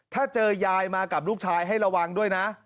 ถ้าเจอยายมากับลูกชายให้ระวังด้วยนะ